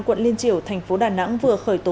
quận liên triểu tp đà nẵng vừa khởi tố